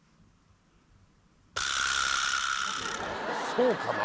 そうかな？